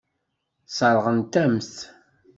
Sseṛɣent-am-t.